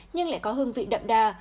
nhưng lại có hương vị đậm đà